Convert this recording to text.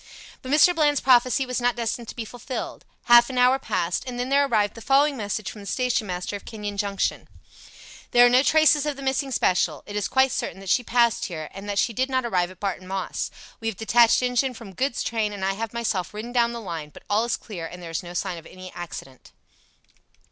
But Mr. Bland's prophecy was not destined to be fulfilled. Half an hour passed, and then there arrived the following message from the station master of Kenyon Junction "There are no traces of the missing special. It is quite certain that she passed here, and that she did not arrive at Barton Moss. We have detached engine from goods train, and I have myself ridden down the line, but all is clear, and there is no sign of any accident."